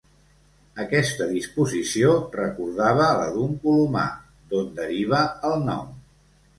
Aquesta disposició recordava la d'un colomar, d'on deriva el nom.